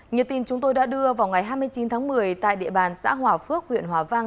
như tin chúng tôi đã đưa vào ngày hai mươi chín tháng một mươi tại địa bàn xã hòa phước huyện hòa vang